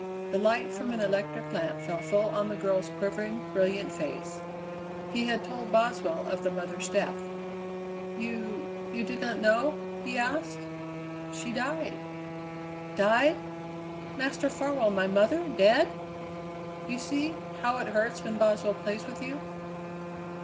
The light from an electric lamp fell full on the girl's quivering, brilliant face. He had told Boswell of the mother's death. "You you did not know?" he asked. "She died " "Died? Master Farwell, my mother dead!" "You see how it hurts when Boswell plays with you?"